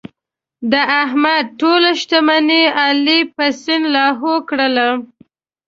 د احمد ټوله شتمني علي په سیند لاهو کړله.